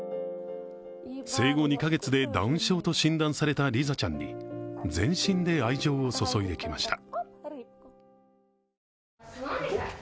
生後２カ月でダウン症と診断されたリザちゃんに全身で愛情を注いできました。